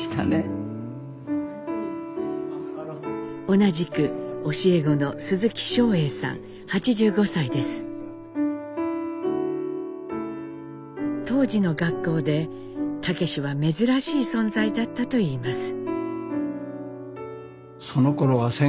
同じく教え子の当時の学校で武は珍しい存在だったといいます。